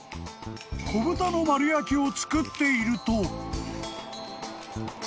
子豚の丸焼きを作っていると］